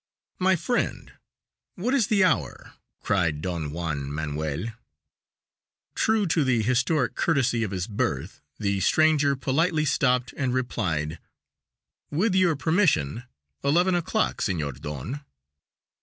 "My friend, what is the hour?" cried Don Juan Manuel. True to the historic courtesy of his birth, the stranger politely stopped and replied: "With your permission, eleven o'clock, Senor Don."